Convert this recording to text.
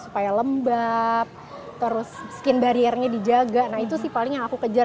supaya lembab terus skin barriernya dijaga nah itu sih paling yang aku kejar